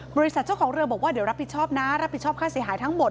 บริษัทเจ้าของเรือบอกว่าเดี๋ยวรับผิดชอบนะรับผิดชอบค่าเสียหายทั้งหมด